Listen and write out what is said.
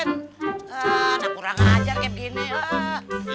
nggak kurang ngajar kayak gini ah